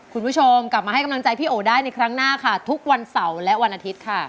คุณผู้ชมกลับมาให้กำลังใจพี่โอได้ในครั้งหน้าค่ะทุกวันเสาร์และวันอาทิตย์ค่ะ